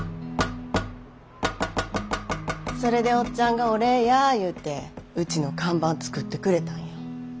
それでおっちゃんがお礼や言うてうちの看板作ってくれたんや。